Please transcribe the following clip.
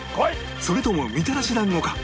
それともみたらし団子か？